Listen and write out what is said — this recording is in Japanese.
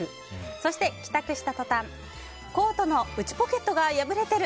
そして、帰宅した途端コートの内ポケットが破れてる！